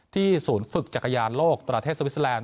ศูนย์ฝึกจักรยานโลกประเทศสวิสเตอร์แลนด